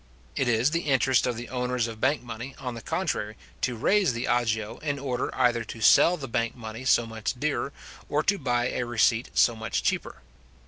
It is the interest of the owners of bank money, on the contrary, to raise the agio, in order either to sell their bank money so much dearer, or to buy a receipt so much cheaper.